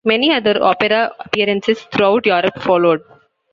Many other opera appearances throughout Europe followed.